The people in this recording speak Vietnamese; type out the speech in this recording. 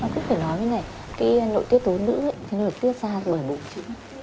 cứ phải nói như thế này cái nội tiết tố nữ thì nó tiết ra bởi bùng trứng